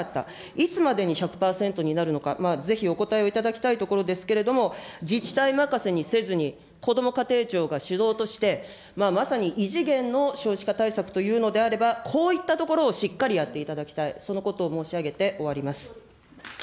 いつまでに１００％になるのか、ぜひお答えを頂きたいところですけれども、自治体任せにせずに、こども家庭庁が主導として、まさに異次元の少子化対策というのであれば、こういったところをしっかりやっていただきたい、そのことを申し上げて終わります。